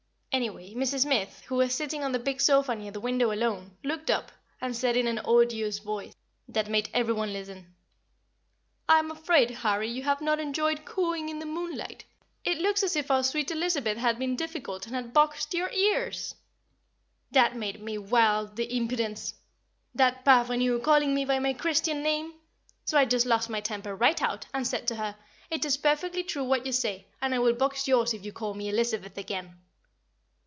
Anyway, Mrs. Smith, who was sitting on the big sofa near the window alone, looked up, and said in an odious voice, that made every one listen, "I am afraid, Harry, you have not enjoyed cooing in the moonlight; it looks as if our sweet Elizabeth had been difficult, and had boxed your ears!" That made me wild, the impudence! That parvenue calling me by my Christian name! So I just lost my temper right out, and said to her, "It is perfectly true what you say, and I will box yours if you call me 'Elizabeth' again!"